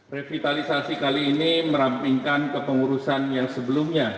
revitalisasi kali ini merampingkan kepengurusan yang sebelumnya